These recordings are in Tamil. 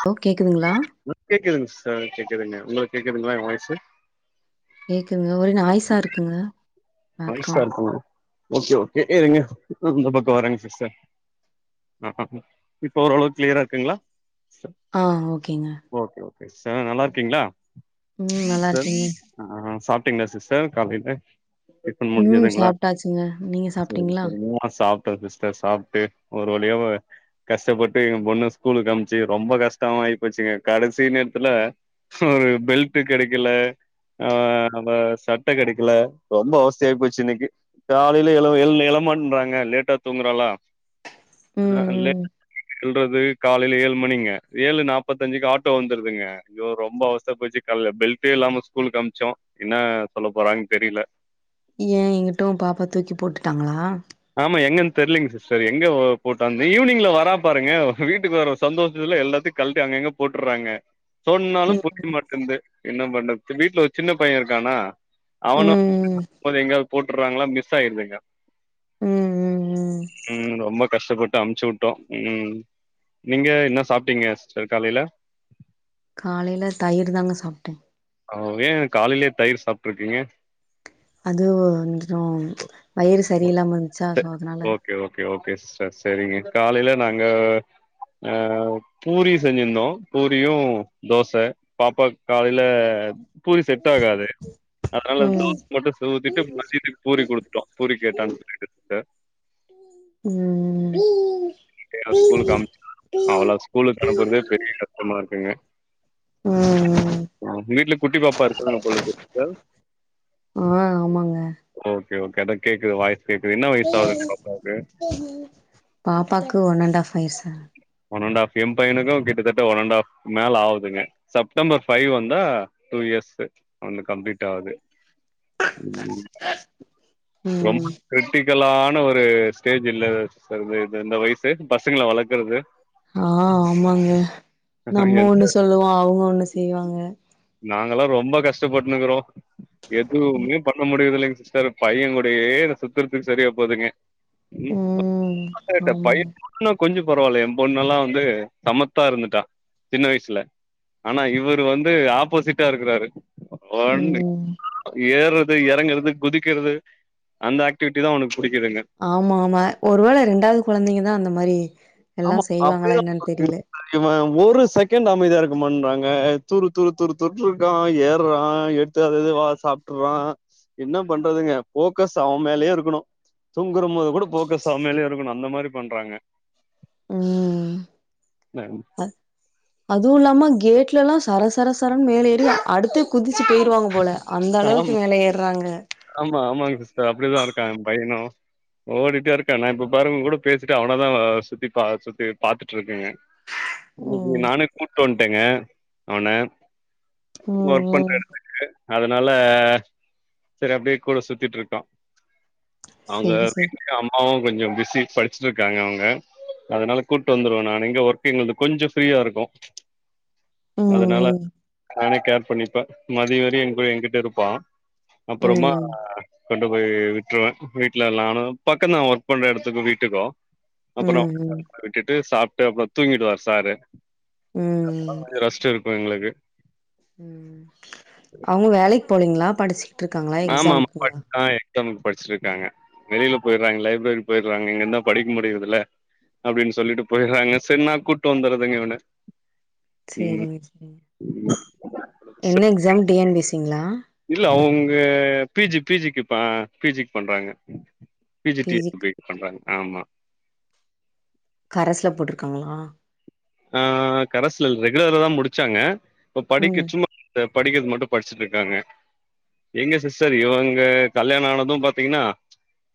ஹலோ கேக்குதுங்ளா ம் கேக்குதுங்க சிஸ்டர் கேக்குதுங்க உங்களுக்கு கேக்குதுங்ளா ஏ வாய்ஸு கேக்குதுங்க ஒரே நாய்சா இருக்குங்க நாய்சா பேக்ரவுண்ட்ல இருக்குங்ளா ஓகே ஓகே இருங்க இந்த பக்கோ வரேங்க சிஸ்டர் இப்ப ஓரளவுக்கு கிளியரா இருக்குங்ளா ஆ ஓகேங்க ஓகே ஓகே சிஸ்டர் என்ன நல்லா இருக்கீங்ளா ம் நல்லா இருக்கங்க ஆ சாப்டீங்ளா சிஸ்டர் காலைல டிபன் ம் முடிஞ்சதுங்ளா சாப்ட்டாச்சுங்க நீங்க சேரி சாப்ட்டீங்களா சேரி நா சாப் ட்டே சிஸ்டர் சாப்ட்டு ஒரு வழியா வ கஷ்டப்பட்டு எயா பொண்ண ஸ்கூலு அம்சி ரொம்ப கஷ்டமா ஆயிப்போச்சிங்க கடைசி நேரத்துல அ ஒரு பெல்ட்டு கெடைக்கல அவ சட்ட கெடைக்ல ரொம்ப அவஸ்த்தயா போச்சி இன்னைக்கி காலில எழுவ எழ எழமாட்றாங்க லேட்டா தூங்குறளா ஆ ம் ம் லேட் எல்றது காலைல ஏழு மணிங்க ஏழு நாப்பத்தஞ்சிக்கு ஆட்டோ வந்துடுதுங்க ஐயோ ரொம்ப அவஸ்த்தயா போயச்சி கால்ல பெல்டே இல்லாம ஸ்கூலுக்கு அம்சோ என்ன சொல்ல போறாங்கன்னு தெரில ஏயே எங்குட்டு பாப்பா தூக்கி போட்டுட்டாங்களா ஆமா எங்கன்னு தெரிலீங்க சிஸ்டர் எங்க போட்டான்னு ஈவ்னிங்ல வரா பாருங்க வீட்டுக்கு வர சந்தோஷத்துல எல்லாத்தியு கல்டி அங்க அங்க போட்டுட்றாங்க சொன்னாலு ம் புரிய மாட்டுன்து என்ன பண்றது வீட்ல ஒரு சின்ன பைய இருக்கானா அவனு [inaudible] ம் அது மாரி எங்கயாது போட்டுட்றாங்ளா மிஸ் ஆயிடுதுங்க ம் ம் ம் ம் ரொம்ப கஷ்டப்பட்டு அம்சி விட்டோ ம் நீங்க என்ன சாப்டீங்க சிஸ்டர் காலையில காலையில தயிர் தாங்க சாப்டே ஓ ஏயே காலையிலயே தயிர் சாப்டிருக்கீங்க அது ஓ வந்துறோ வயிறு சரி இல்லாம இருந்துச்சா ச சோ அதனால ஓகே ஓகே ஓகே சிஸ்டர் செரிங்க காலைல நாங்க பூரி செஞ்சிருந்தோ பூரியு தோச பாப்பாக்கு காலையில பூரி செட் ஆகாது அதனால தோச ம் மட்டு ஊத்திட்டு மதியோ பூரி குடுத்துட்டோ பூரி கேட்டா இன்னுட்டு ம் ம் இப்பயே நா ஸ்கூலுக்கு அம்சாசி அவலா ஸ்கூலுக்கு அனுப்புறதே பெரிய கஷ்டமா இருக்குங்க ம் ம் வீட்ல குட்டி பாப்பா இருக்காங்க போல இருக்கு சிஸ்டர் ஆ ஆமாங்க ஓகே ஓகே அதா கேக்குது வாய்ஸ் கேக்குது என்ன வயசு ஆகுது பாபாக்கு பாப்பாக்கு ஒன் அண்ட் ஹாஃப் வயசு ஒன் அண்ட் ஹாஃப் எம் பைனுக்கு கிட்டத்தட்ட ஒன் அண்ட் ஹாஃப் மேல ஆகுதுங்க செப்டம்பர் ஃபைவ் வந்தா டூ இயர்ஸ்சு அவனுக்கு கம்ப்ளீட் ஆகுது ம் ம் ரொம்ப கிரிட்டிக்கலான ஒரு ஸ்டேஜ்ல இது இந்த வய சு பசங்கள வளர்க்கறது நம்ப ஒண்ணு சொல்லுவோ அவுங்க ஒண்ணு செய்வாங்க நாங்கல்லா ரொம்ப கஷ்டப்பட்னுக்குறோ எதுமே பண்ண முடியுது இல்லைங்க சிஸ்டர் பையன் கூடே நா சுத்றதுக்கு செரியா போதுங்க ம் [inaudible] ஆமாங்க பையன இன்னு கொஞ்ச பரவாயில்ல என் பொண்ணு எல்லா வந்து சமத்தா இருந்துட்டா சின்ன வயசுல ஆனா இவர்ரு வந்து ஆப்போசிட்டா இருக்குறாரு ஒன்னு ம் ஏற து இறங்கிறது குதிக்கிறது அந்த ஆக்டிவிட்டி தா அவனுக்கு புடிக்குதுங்க ஆமா ஆமா ஒருவேள ரெண்டாவது கொழந்தைங்க தா அந்த மாரி எல்லா ஆமா அப்டே செய்வாங்களா தா என்னன்னு தெரில [inaudible] இவன் ஒரு செகண்ட் அமைதியா இருக்கமாட்றாங்க துரு துரு துரு துருன் இருக்கா ஏர்றா எடுத் து அது இது வா சாப்ட்டுர்றா என்னா பண்றதுங்க போக்கஸ் அவன் மேலே இருக்கணு துங்குறமோது கூட போகஸ் அவன் மேலே இருகனு அந்த மாரி பண்றாங்க ம் நாங் அ அது இல்லாம கேட்ல எல்லா சரசர சரன் மேலே ஏறி அடுத்து குதிச்சு போய்டுவாங்க போல அந்த அளவுக்கு ஆமா மேல ஏர்றாங்க ஆமா ஆமாங் சிஸ்டர் அப்டிதா இருக்கா என் பையனு ஓடிட்டே இருக்கான் நா இப்ப பாருங்க உங் கூட பேசிட்டு அவனதா சுத்தி பா சுத்தி பாத்துட்டுருக்கேங்க இன்னைக்கி ம் நானே கூட்டு வன்டங்க அவன ம் ஒர்க் பண்ற ம் இடத்துக்கு அதனால செரி அப்டே கூட சுத்திட்டுருக்கான் அவுங்க செரி செரி வீட்ல அவுங் கொஞ்ச பிஸி படிச்சுட்டுருக்காங்க அவங்க அதனால கூட்டு வந்துருவே நானு இங்க ஒர்க்கு எங்கள்து கொஞ்ச ஃப்ரீயா இருக்கு அதனால ம் நானே கேர் பண்ணிப்பே மதிய வரி என் கூட என்கிட்ட இருப்பா ம் அப்பறமா ம் கொண்டு போய் விட்ருவ வீட்ல நானு பக்கந்தா ஒர்க் பண்ற இடத்துக்கு வீட்டுக்கு அப்புறோ ம் ம் [inaudible] விட்டுட்டு சாப்ட்டு அப்புற தூங்கிடுவார் சாரு அப்பதா ம் கொஞ்ச ரெஷ்ட்டு இருக்கு எங்ளுக்கு ம் அவங்க வேலைக் போலீங்ளா படிச்சு ஆமாமா பட்டாய் டம் படிச்சிட்ருக்காங்க வெளில போயிட்றாங்க லைப்ரரி போய்ட்றாங்க இங்க இருந்தா படிக்க முடிர்தில்ல அப்டின்னஸ சொல்லிட்டு போய்றாங்க சேர்ன்னா கூட்டு வந்துறதுங்க இவன ம் செரிங்க செரிங்க என்ன எக்ஸாம் டி என் பி சிங்ளா இல்ல அவுங்க பிஜி பிஜிக்கு ப பி ஜிக் பண்றாங்க பிஜி பி டீ ஜி பண்றாங்க ஆமா கரஸ்ல போட்ருக்காங்ளா ஆ கரஸ்ல இல்ல ரெகுலரா தா முடிச்சாங்க இப்ப படிக்க ம் சும்மா படிக்கிறது மட்டு படிச்சுட்டுருக்காங்க எங்க சிஸ்டர் இவங்க கல்யாண ஆனது பாத்தீங்கனா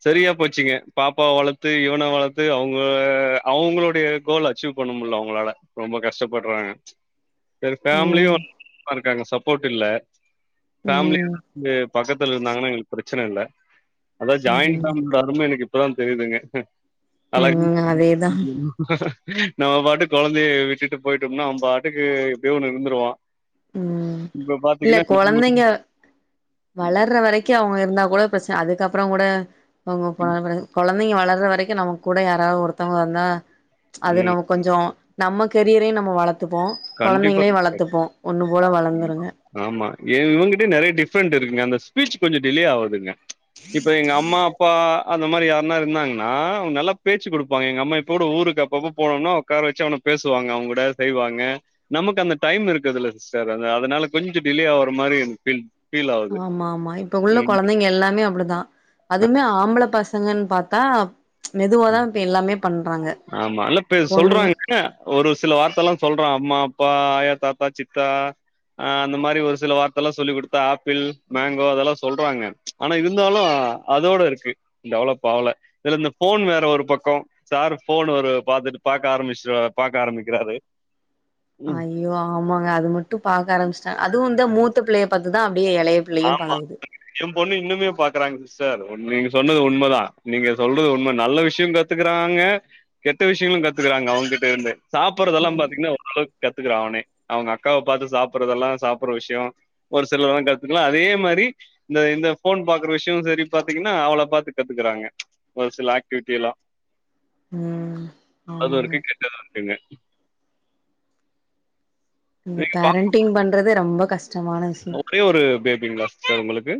செரியா போச்சுங்க பாப்பாவ வளர்த்து இவன வளர்த்து அவுங்க அவுங்ளுடைய கோல் அச்சீவ் பண்ண முடில அவு ங்களால ரொம்ப கஷ்டப்படுறாங்க சேரி பெமிலியு ம் வந்து உக்காந்துருக்காங்க சப்போர்ட் இல்ல பெமலியு ம் வந்து பக்கத்துல இருந்தாங்கன்னா எங்களுக்கு பிரச்சன இல்ல அதா ஜாயின் ம் பெலியோட அரும எனக்கு இப்பதா தெரியுதுங்க அ ம் அதேதா [inaudible] நம்ம பாட்டு குழந்தைய விட்டுட்டு போயிட்டோம்னா அவ பாட்டுக்கு எப்டியோ ஒண்ணு இருந்துருவா ம் இல்ல கொழந்தைங்க வளர்ற வரைக் கு அவுங்க இருந்தா கூட பிரச்சன அதுக்கப்றோ கூட அவுங்க கொழந்தங்க வளர வரைக்கு நமக்கு கூட யாராவது ஒருத்தவங்க வந்தா அது ம் நமக் கொஞ்சோ நம்ம கெரியரையு நம்ம வளத்துப்போ கண்டிப்பா கொழந்தைங்களையு வளத்துப்போ ஆமா இவங்கிட்ட நெறைய டிஃப்ரெண்ட்டு இருக்குங்க அந்த ஸ்பீச் கொஞ்சோ டிலே ஆகுதுங்க இப்ப எங்க அம்மா அப்பா அந்த மாரி யாருனா இருந்தாங்கன்னா அவுங்க நல்ல பேச்சு கொடுப்பாங்க எங்க அம்மா இப்போ கூட ஊருக்கு அப்போ போ போனோம்னா உக்கார வச்சு அவன பேசுவாங்க அவ கூட செய்வாங்க நமக்கு அந்த டைம் இருக்குதுல்ல சேர் அதனால கொஞ்சோ டிலே ஆவுற மாரி எனக்கு பீல் ஆமா ஆமா இப்ப உள்ள கொழந்தைங்க எல்லாமே அப்டிதா அதுமே ஆம் ஆம்பள பசங்கன்னு பாத்தா மெதுவா தா இப்ப எல்லாமே பண்றாங்க பொண்ணுங்க எ ஒரு சில வார்த்த எல்லா சொல்றோ அம்மா அப்பா ஆயா தாத்தா சித்தா ஆ அந்த மாரி ஒரு சில வார்த்த எல்லா சொல்லி் கொடுத்தா ஆப்பிள் மேங்கோ அதெல்லா சொல்றாங்க ஆனா இருந்தாலு அதோட இருக்கு டெவளப் ஆவ்ல இதுல இந்த ஃபோன் வேற ஒரு பக்கோ சார் ஃபோன் வேரு பாத்துட்டு பாக்க ஆரம்பிச்சுடா பாக்க ஆரம்பிக்கிறாரு அ ம். ஐயோ ஆமாங்க அது மட்டு பாக்க ஆரமிச்சுட்டாங்க அதுவு இந்த மூத்த புள்ளைய பாத்துதா அப்டியே எலைய ஆமா எ பொண்ணு இன்னுமே பாக்குறாங்க சிஸ்டர் நீங்க சொன்னது உண்மதா நீங்க சொல்றது உண்ம நல்ல விஷயோ கத்துக்குறாங்க கெட்ட விஷயங்களு கத்துக்குறாங்க அவங்ககிட்ட இருந்து சாப்பறதெல்லா பாத்திங்கன்னா ஓரளவு கத்துக்குற அவனே அவங்க அக்காவ பாத்து சாப்படுறதெல்லா சாப்புற விஷயோ ஒரு சிலர்ல்லா கத் துக்றா அதே மாரி இந்த இந்த ஃபோன் பாக்குற விஷயோ சேரி பாத்தீங்கன்னா அவள பாத்து கத்துக்குறாங்க ஒரு சில ஆக்டிவிட்டி எல்லா ம் ஆமாங்க எல்லாதியுமே இந்த நீங்க பா பேரண்டிங் பண்றதே ரொம்ப கஷ்டமான விஷ ஒரே ஒரு பேபிங்களா சிஸ்டர் உங்களுக்கு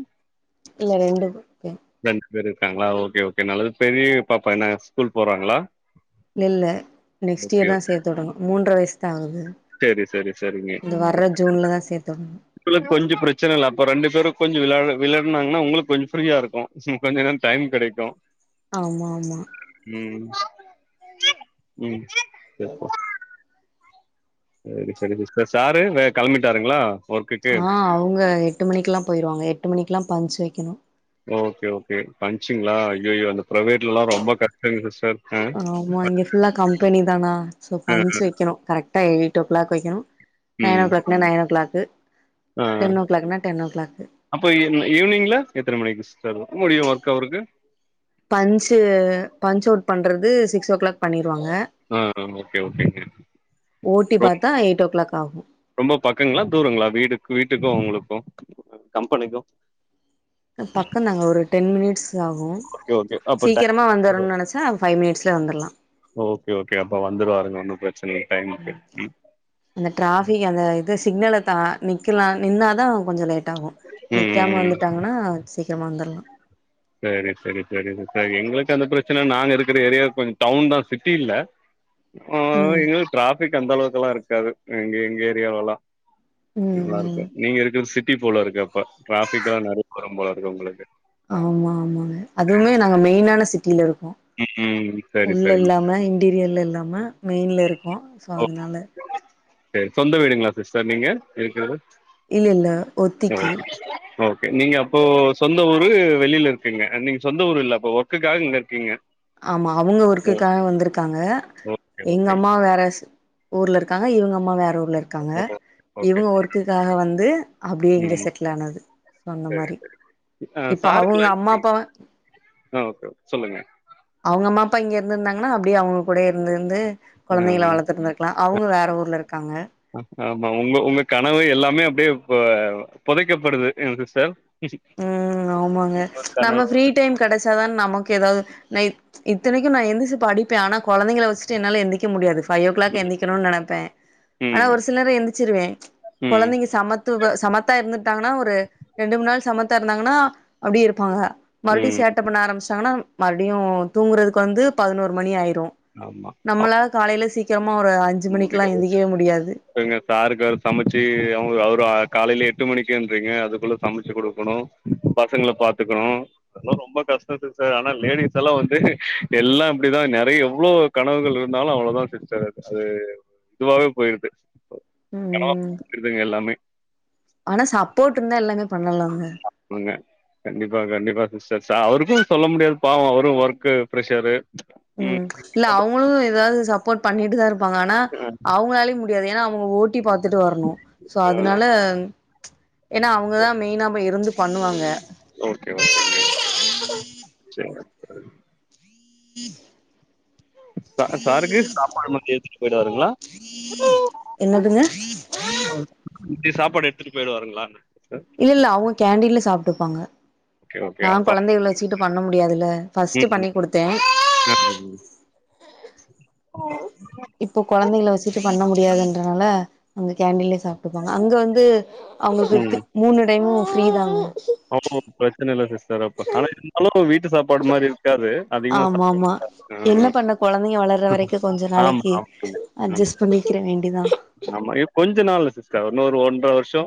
இல்ல ரெண்டு பேர் ரெண்டு பேர் இருக்காங்களா ஓகே ஓகே நல்லது பெரியா பாப்பா என்ன ஸ்கூல் போறாங்களா இல்ல இல்ல நெக்ஸ்ட் இயர் ஓகே தா செத்து விடனு மூன்றர வயசு தா ஆகுது சரி சரி சரிங்க இந்த வர்ற ஜூன்ல தா சேத்துனு உங்களுக்கு கொஞ்சோ பிரச்சன இல்ல அப்போ ரெண்டு கொஞ்சோ விளை விளயாடுனாங்கனா உங்களுக்கு கொஞ்சோ ஃப்ரீயா இருக்கு ம் கொஞ்சோ நேரோ டைம் கெடைக்கு ஆமா ஆமா ம் ம் சேரி சேரி சிஸ்டர் சாரு வே கிளம்பிட்டாருங்களா ஆ அவுங்க எட்டு மணிக்கு எல்லா போயிருவாங்க எட்டு மணிக்குல்லா பஞ்சு வைக்கணு ஓகே ஓகே பஞ்சுங்களா ஐயோ அந்த பிரைவேட்ல எல்லா ரொம்ப கஷ்டோங்க சிஸ்டர் ஆ ஆமா இங்க ஃபுல்லா கம்பெனி தானா சோ ஆ பஞ்சு வைக்கணு கரெக்டா எயிட் ஓ கிளாக் வைக்கணு நைன் ஓ ம் கிளாக்னா நைன் ஓ கிளாக்கு டென் ஓ கிளாக்னா டென் ஓ கிளாக்கு அப்ப ஈவ் ஈவினிங்ல எத்தன மணிக்கு சிஸ்டர் முடியு ஒர்க் முடியு அவருக்கு பஞ்சு பஞ்ச அவுட் பண்ட்றது சிக்ஸ் ஓ க்ளாக் பண்ணிடுவாங்க ஆ ஓகே ஓகேங்க ஓட்டி ரொ பாத்தா எயிட் ஓ க்ளாக் ஆகும் ரொம்ப பக்கங்களா தூரங்களா வீடு வீட்டுக்கும் உங்களுக்கும் கம்பெனிக்கும் பக்கம் தாங்க ஒரு டென் மினிட்ஸ் இதாகும் ஓகே ஓகே அப்ப டைம் சீக்கிரமாக வந்தரும்ன்னு நனச்சா ஃபைவ் மினிட்ஸில வந்தர்லாம் ஓகே ஓகே அப்ப வந்துரு வாங்க ஒன்னும் பிரச்சனயே டைமுக்கு ம் அந்த டிராபிக் அந்த இது சிக்னலா தா நிக்கலா நின்னாதான் கொஞ்ச லேட் டங்கும் ம் நிக்காம ம் ம். வந்துட்டாங்கன்னா சீக்கிரமா வந்தர்லாம் சரி சரி சரி சரி எங்களுக்கு அந்த பிரச்சன நாங்க இருக்கற ஏரியா கொஞ் டவுன் தான் சிட்டி இல்ல ம் இல்ல டிராபிக் அந்த அளவுக்குல்லா இருக்காது எங்க எங்க ஏரியாவ்லலாம் ம் இவ்ளா ம் இருக்க நீங்க இருக்க சிட்டி போலருக்கு அப்ப டிராஃபிக்கா நறைய வரும் போலருக்கு உங்களுக்கு ஆமா ஆமாங்க அதுவுமே நாங்க மெயினான சிட்டில இருக்கோம் ம் சரி உள்ள சரிங்க இல்லாம இன்டீரியர்ல இல்லாம மெயின்ல இருக்கும் சோ அதனால சரி சொந்த வீடுங்களா சிஸ்டர் நீங்க இருக்குறது இல்ல இல்ல ஓகே ஒத்திக்கி சிஸ்டர் ஓகே நீங்க அப்போ சொந்த ஊரு வெளியில இருக்கீங்க நீங்க சொந்த ஊர் இல்ல அப்போ ஒர்க்குக்காக இங்க இருக்கீங்க ஆமா அவுங்க ஓ ஒர்க்கக்காக வந்துருக்காங்க ஓகே ஓகே எங்கமா வேறஸ்சு ஊர்ல இருக்காங்க இவங்கம்மா வேற ஊர்ல இரு க்காங்க ஓ ஓகே இவங்க ஒர்க்குக்காக வந்து அப்டியே இங்க செட்டுலானது சரி சரி அ சாருக்கு அவங்க அம்மா லஞ்சி அப்பா ஆ ஓகே ஓகே சொல்லுங்க அவங்க அம்மா அப்பா இங்க இருந்துருந்தாங்கன்னா அப்படியே அவங்க கூடே இருந்துருந்து கொழந்தைங்கள ம் வளர்த்துட்டுருக்கலாம் அவ்ங்க ஊர்ல இருகாங்க ஆமா உங்க உங்க கணவரு எல்லாமே அப்டியே ப அ புதைக்கப்படுது என்ன சிஸ்டர் உம் ஆமாங்க உங்க கனவு நம்ம ஃப்ரீ டைம் கடைச்சாதான் நமக்கு ஏதாது நை இத்தனைக்கும் நா எந்திச்சு படிப்பேன் ஆனா கொழந்தைகள வச்சிட்டு என்னால எந்திக்க முடியாது பைஃவ் ஓ கிளாக் எந்திக்கணும் நனைப்பேன் ஆனா ம் ஒரு சிலரு எந்திச்சிருவேன் ம் கொழந்தைங்க சமத் துப சமத்தா இருந்துட்டாங்கன்னா ஒரு ரெண்டு மூண் நாள் சமத்தா இருந்தாங்கன்னா அப்டி இருப்பாங்க மறுடி ம் சேட்ட பண்ண ஆரம்பிச்சாடாங்கன்னா மறுடியும் தூங்குறதுக்கு வந்து பதினோரு மணி ஆயிரும் ஆமா நம்மளால காலையில சீக்கிரமா ஒரு அஞ்சு மணிக்கெலாம் எழுந்திக்கவே முடியாது ஏங்க சாருக்குரு வேற சமச்சி அவங்க அவரு காலேல எட்டு மணிக்குன்றீங்க அதுக்குள்ள சமைச்சு கொடுக்கணு பசங்கள பாத்துக்ணோ அதெல்லாம் ரொம்ப கஷ்டோம் சிஸ்டர் ஆனா லேடிஸ் எல்லா வந்து எல்லாம் இப்டிதான் நறைய எவ்ளோ கனவுகள் இருந்தாலும் அவ்ளதான் சிஸ்டர் அ இதுவாவே போயிருது கனவா ம் போயிருதுங்க எல்லாமே ஆனா சப்போர்ட்ருந்தா எல்லாமே பண்ணலாங்க உங்க கண்டிப்பா கண்டிப்பா சிஸ்டர் அவருக்கும் சொல்ல முடியாது பாவோம் அவரும் ஒர்க்கு ப்ரெஷரு ம் உம் இல்ல அவங்களும் ஏதாது சப்போர்ட் பண்ணிட்டு தா இருப்பாங்க ஆனா அவங்களாலையும் மு டியாது ஏனா அவ்ங்க ஓட்டி பாத்துட்டு வரணும் சோ அதனால ஏன்னா அவுங்கதா மெயினாவே இருந்து பண்ணுவாங்க ஓகே ஓகேங்க சரிங்க [inaudible] அ சாருக்கு சாப்பாடு மதியொ எடுத்துட்டு போயிடுவாருங்ளா என்னதுங்க தியொ சாப்பாடு எடுத்துட்டு போயிருவாருங்களான்ன இல்ல இல்ல அவுங்க கேண்டின்ல சாப்ட்டுப்பாங்க ஓகே ஓகே நா அப்பா கொழந்தைகள வெச்சுட்டு பண்ண முடியாதுல்ல ஃபர்ஸ்ட்டு ம் பண்ணி் கொடுத்தோ ம் இப்ப கொழந்தைகள வெச்சிட்டு பண்ண முடியாதுன்றனால அங்க கேண்டிலே சாப்ட்டுப்பாங்க அங்க வந்து ம் அவுங்களுக்கு மூணு டைமு ஃப்ரீ தாங்க அவங்ளுக்கு பிரச்சன இல்ல சிஸ்டர் அப்ப ஆனா இந்தாலுவீட்டு சாப்பாடு மாரி இருக்காது அதிகமா ஆமா சாப்பிடு ஆமா என்ன பண்ண கொழந்தைங்க வளர்ற வரைக்கு கொஞ்ச ஆமா நாளைக்கி ஆமாங்க ஆமா அஜஸ் பன்னிக்கிற வேண்டிதா ஆமா இ நாள்ல சிஸ்டர் இன்னொரு ஒன்றவருஷொ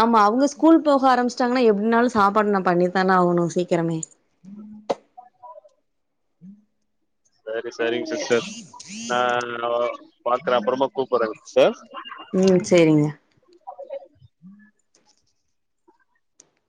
ஆமா அவுங்க ஸ்கூல் போக ஆரம்பிச்சாட்டீங்கானா எப்டினாலு சாப்பாடு நா பண்ணித்தானே ஆகணு சீக்கிரமே [inaudible] செரி செரிங்க சிஸ்டர் நா பாக்குறே அப்பறம கூப்பறேங்க சிஸ்டர் ம் சேரிங்க